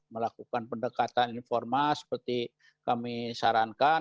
melakukan pendekatan informal seperti kami sarankan